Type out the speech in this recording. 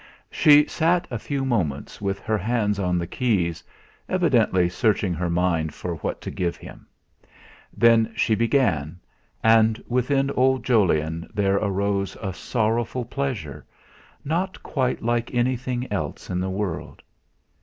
She sat a few moments with her hands on the keys, evidently searching her mind for what to give him. Then she began and within old Jolyon there arose a sorrowful pleasure, not quite like anything else in the world.